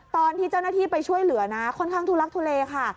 ตอนที่เจ้าหน้าที่ไปช่วยเหลือนะค่อนข้างทุลักทุเลค่ะ